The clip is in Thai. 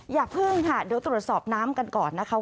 อย่าพึ่งค่ะเดี๋ยวตรวจสอบน้ำกันก่อนนะคะ